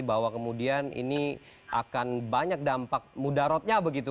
bahwa kemudian ini akan banyak dampak mudarotnya begitu